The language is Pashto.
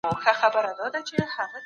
هغوی په لابراتوار کې کاغذونه کتلي دي.